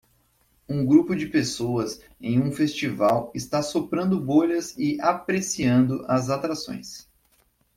Um grupo de pessoas em um festival está soprando bolhas e apreciando as atrações.